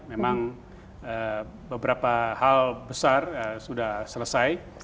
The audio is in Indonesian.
memang beberapa hal besar sudah selesai